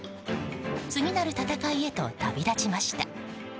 次なる戦いへと旅立ちました。